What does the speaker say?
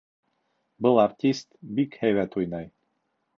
Был артист бик һәйбәт уйнай.